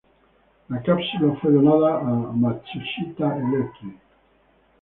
La cápsula fue donada a Matsushita Electric.